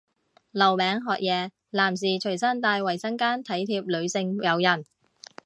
留名學嘢，男士隨身帶衛生巾體貼女性友人